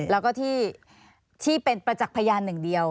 แล้วก็ที่เป็นประจักษ์พยานหนึ่งเดียว